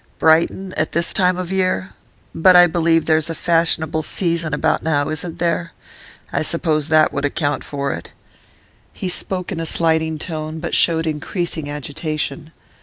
Brighton, at this time of year? But I believe there's a fashionable "season" about now, isn't there? I suppose that would account for it.' He spoke in a slighting tone, but showed increasing agitation.